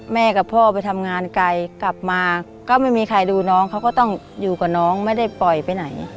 กับพ่อไปทำงานไกลกลับมาก็ไม่มีใครดูน้องเขาก็ต้องอยู่กับน้องไม่ได้ปล่อยไปไหน